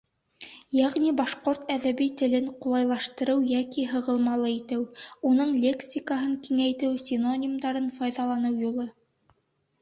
Йәғни башҡорт әҙәби телен ҡулайлаштырыу йәки һығылмалы итеү: уның лексикаһын киңәйтеү, синонимдарын файҙаланыу юлы.